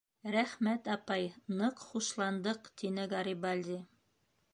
- Рәхмәт, апай, ныҡ хушландыҡ, - тине Гарибальди.